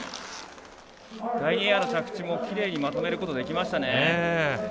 第２エアの着地もきれいにまとめることができましたね。